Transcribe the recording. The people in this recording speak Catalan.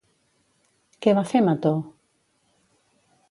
Què va fer Metó?